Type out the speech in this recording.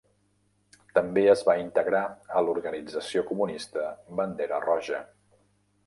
També es va integrar a l'organització comunista Bandera Roja.